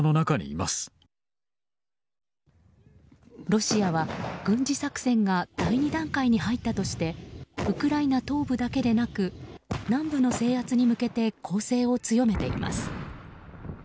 ロシアは、軍事作戦が第２段階に入ったとしてウクライナ東部だけでなく南部の制圧に向けて攻勢を強めています。